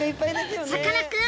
さかなクン